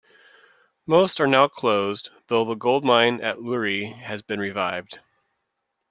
Most are now closed, though the gold mine at Luiri has been revived.